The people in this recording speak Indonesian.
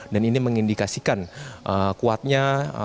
dan ini mengindikasikan kuatnya